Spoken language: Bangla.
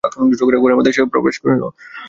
ঘরের মধ্যে সে প্রবেশ করিল।